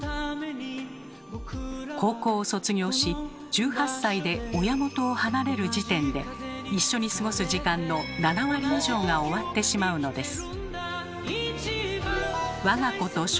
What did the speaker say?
高校を卒業し１８歳で親元を離れる時点で一緒に過ごす時間の７割以上が終わってしまうのです。